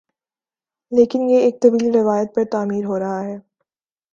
لیکن یہ ایک طویل روایت پر تعمیر ہو رہا ہے